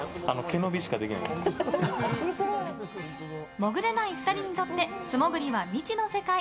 潜れない２人にとって素潜りは未知の世界。